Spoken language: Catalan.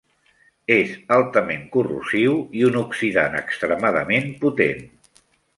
És altament corrosiu i un oxidant extremadament potent.